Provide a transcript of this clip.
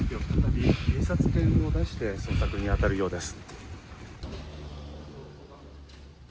警察犬を出して捜索に当たるようです。